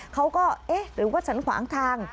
เขาก็เอ๊ะหรือว่าฉันขวางทาง